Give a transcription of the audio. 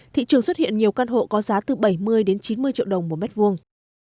thị trường xuất hiện nhiều căn hộ có giá từ bảy mươi đến chín mươi triệu đồng một mét vuông